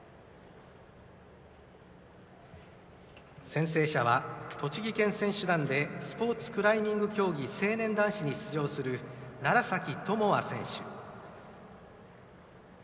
宣誓者は、栃木県選手団でスポーツクライミング競技成年男子に出場する楢崎智亜選手。